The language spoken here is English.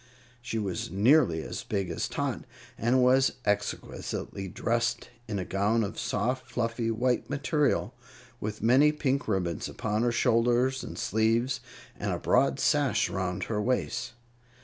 She was nearly as big as Tot, and was exquisitely dressed in a gown of soft, fluffy white material, with many pink ribbons upon her shoulders and sleeves, and a broad sash around her waist.